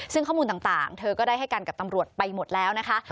ซึ่งข้อมูลต่างเธอก็ได้ให้กันกับตำรวจไปหมดแล้วนะคะ